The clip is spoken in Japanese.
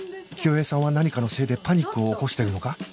清江さんは何かのせいでパニックを起こしてるのか？